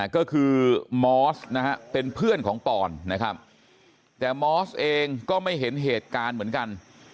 ก็คือมอสนะฮะเป็นเพื่อนของปอนนะครับแต่มอสเองก็ไม่เห็นเหตุการณ์เหมือนกัน